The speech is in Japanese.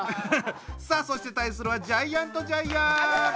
さあそして対するはジャイアントジャイアン！